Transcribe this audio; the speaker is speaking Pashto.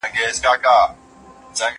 هغه وويل چي نان صحي دی!